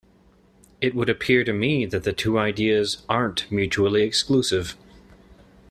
It would appear to me that the two ideas aren't mutually exclusive.